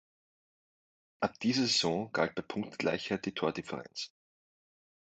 Ab dieser Saison galt bei Punktgleichheit die Tordifferenz.